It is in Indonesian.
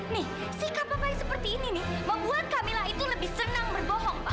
nih sikap papa yang seperti ini nih membuat kamila itu lebih senang berbohong pak